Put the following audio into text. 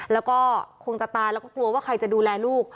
แล้วก็คงจะตายแล้วก็กลัวว่าใครจะดูแลลูก